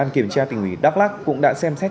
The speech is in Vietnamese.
kiểm tra tỉnh ủy đắk lắc cũng đã xem xét